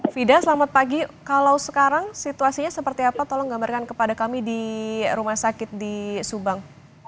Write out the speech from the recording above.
fida selamat pagi kalau sekarang situasinya seperti apa tolong gambarkan kepada kami di rumah sakit di subang